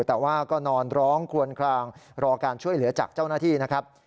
แต่ว่าก็นอนร้องคลวนคลางรอการช่วยเหลือจากเจ้าหน้าที่นะครับ